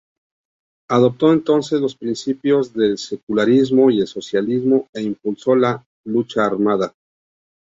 Adoptó entonces los principios del secularismo y el socialismo, e impulsó la lucha armada.